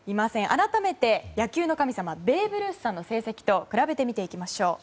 改めて野球の神様ベーブ・ルース産の成績と比べて見ていきましょう。